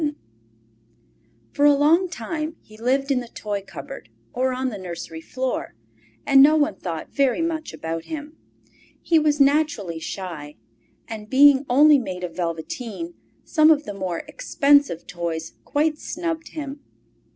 Christmas Morning For a long time he lived in the toy cupboard or on the nursery floor, and no one thought very much about him. He was naturally shy, and being only made of velveteen, some of the more expensive toys quite snubbed him.